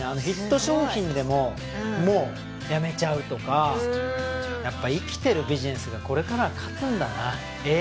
ヒット商品でももうやめちゃうとかやっぱ生きてるビジネスがこれからは勝つんだな